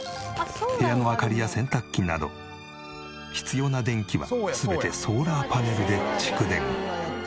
部屋の明かりや洗濯機など必要な電気は全てソーラーパネルで蓄電。